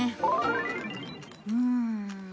うん。